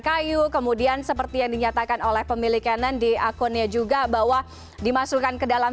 kayu kemudian seperti yang dinyatakan oleh pemilik cannon di akunnya juga bahwa dimasukkan ke dalam